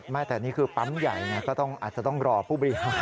แต่นี่คือปั๊มใหญ่ก็อาจจะต้องรอผู้บริหาร